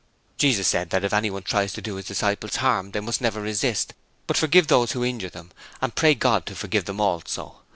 'Jesus also said that if anyone tried to do His disciples harm, they must never resist, but forgive those who injured them and pray God to forgive them also.